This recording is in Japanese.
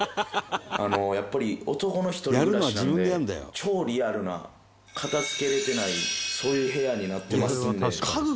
やっぱり、男の一人暮らしなんで超リアルな片付けれてないそういう部屋になってますんで。